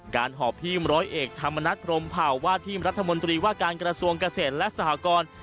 หอบทีมร้อยเอกธรรมนัฐพรมเผาว่าทีมรัฐมนตรีว่าการกระทรวงเกษตรและสหกร